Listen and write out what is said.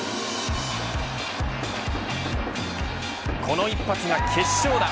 この一発が決勝打。